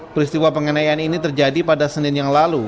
peristiwa pengenayaan ini terjadi pada senin yang lalu